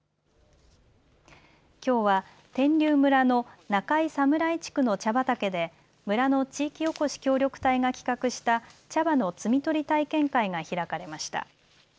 きょうは、天龍村の中井侍地区の茶畑で村の地域おこし協力隊が企画した茶葉の摘み取り体験会が開かれました。